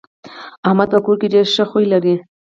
احمد په کور کې ډېر ښه خوی لري.